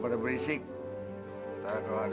makasih ya juhan